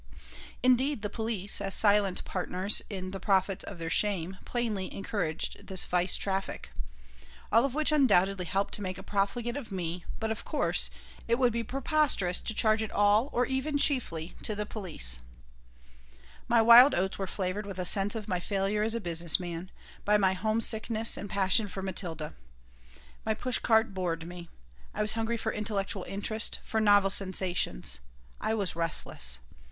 Indeed, the police, as silent partners in the profits of their shame, plainly encouraged this vice traffic. All of which undoubtedly helped to make a profligate of me, but, of course, it would be preposterous to charge it all, or even chiefly, to the police My wild oats were flavored with a sense of my failure as a business man, by my homesickness and passion for Matilda. My push cart bored me. I was hungry for intellectual interest, for novel sensations. I was restless.